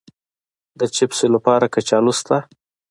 د چپسو لپاره کچالو شته؟